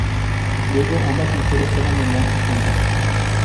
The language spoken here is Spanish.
Luego ambas mujeres toman venganza juntas.